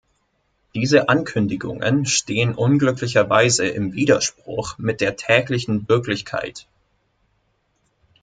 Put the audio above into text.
Diese Ankündigungen stehen unglücklicherweise im Widerspruch mit der täglichen Wirklichkeit.